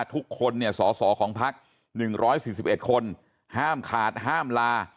ทุกคนเนี่ยสอสอของพัก๑๔๑คนห้ามขาดห้ามลา